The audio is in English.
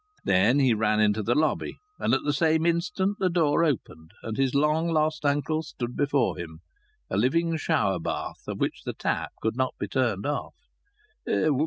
Then he ran into the lobby, and at the same instant the door opened and his long lost uncle stood before him, a living shower bath, of which the tap could not be turned off.